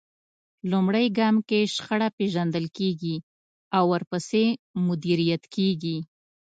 لومړی ګام کې شخړه پېژندل کېږي او ورپسې مديريت کېږي.